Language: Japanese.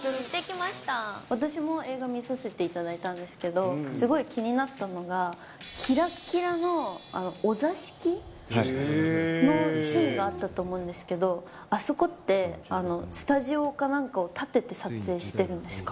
私も映画見させていただいたんですけど、すごい気になったのが、きらっきらのお座敷のシーンがあったと思うんですけど、あそこって、スタジオかなんかを建てて撮影してるんですか？